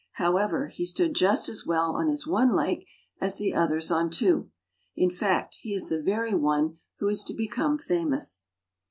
However, he stood just as well on his one leg as the others on two, in fact he is the very one who is to become famous.